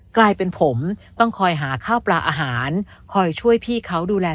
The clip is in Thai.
กลายเป็นผมต้องคอยหาข้าวปลาอาหารคอยช่วยพี่เขาดูแล